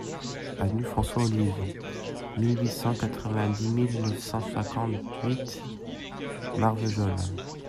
Avenue François Olive (mille huit cent quatre-vingt-dix-mille neuf cent cinquante-huit), Marvejols